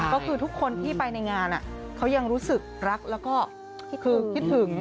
ก็คือทุกคนที่ไปในงานเขายังรู้สึกรักแล้วก็คือคิดถึง